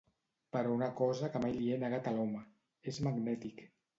Però una cosa que mai li he negat a l'home: és magnètic.